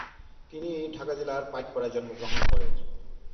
তিনি ঢাকা জেলার পাইকপাড়ায় জন্মগ্রহণ করেন।